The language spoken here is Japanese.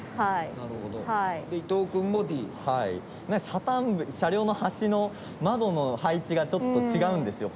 車端部車両の端の窓の配置がちょっと違うんですよ